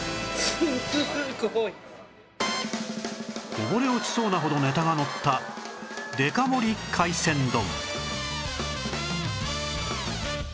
こぼれ落ちそうなほどネタがのったデカ盛り海鮮丼